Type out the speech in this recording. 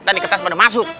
nanti kertas pada masuk